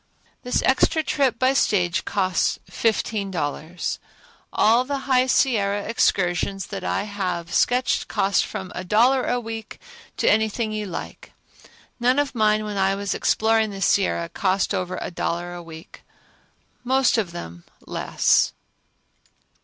This extra trip by stage costs fifteen dollars. All the High Sierra excursions that I have sketched cost from a dollar a week to anything you like. None of mine when I was exploring the Sierra cost over a dollar a week, most of them less.